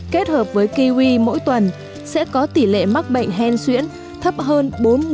kết hợp với kiwi mỗi tuần sẽ có tỷ lệ mắc bệnh hen xuyễn thấp hơn bốn mươi